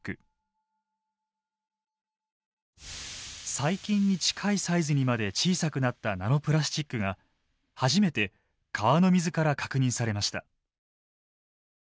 細菌に近いサイズにまで小さくなったナノプラスチックが初めて川の水から確認されました。